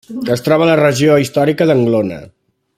Es troba a la regió històrica d'Anglona.